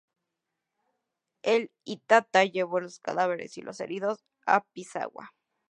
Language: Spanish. El "Itata" llevó los cadáveres y los heridos a Pisagua.